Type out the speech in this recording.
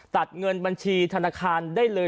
ตัดเงินบัญชีธนาคารได้เลย